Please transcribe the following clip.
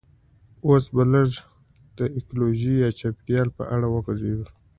اوس به لږ د ایکولوژي یا چاپیریال په اړه وغږیږو